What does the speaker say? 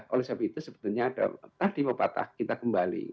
oleh sebab itu sebetulnya tadi pepatah kita kembali